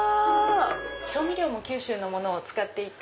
調味料も九州のもの使っていて。